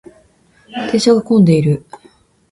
電車が混んでいる。